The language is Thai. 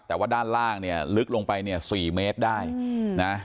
แต่ว่าด้านล่างเนี่ยลึกลงไปเนี่ย๔เมตรได้นะ